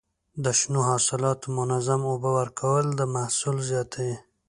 د شنو حاصلاتو منظم اوبه ورکول د محصول زیاتوي.